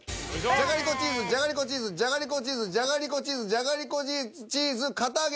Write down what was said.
「じゃがりこチーズ」「じゃがりこチーズ」「じゃがりこチーズ」「じゃがりこチーズ」「じゃがりこチーズ」「堅あげ